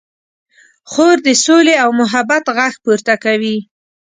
خور د سولې او محبت غږ پورته کوي.